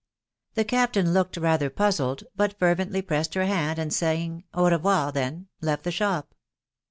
The Captain looked rather puzzled, hut fervently pressed her hand, and saying " Au revoir then !" left the shop.